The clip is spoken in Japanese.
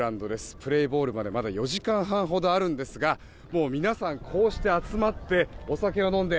プレーボールまでまだ４時間半ほどあるんですが皆さん、こうして集まってお酒を飲んで。